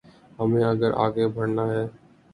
ہمیں اگر آگے بڑھنا ہے۔